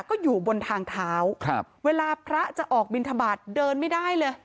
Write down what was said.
ก็อยู่บนทางเท้าครับเวลาพระจะออกบินทบาทเดินไม่ได้เลย